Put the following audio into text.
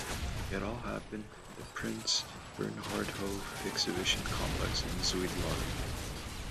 It all happened in the Prins Bernhardhoeve exhibition complex in Zuidlaren.